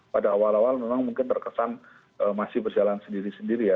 pada awal awal memang mungkin terkesan masih berjalan sendiri sendiri ya